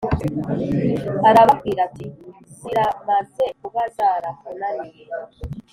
Arababwira ati Ziramaze kuba zarakunaniye